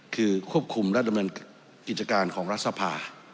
คือควบคุมและดำเนินกิจการของรัฐสภา